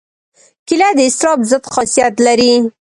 کېله د اضطراب ضد خاصیت لري.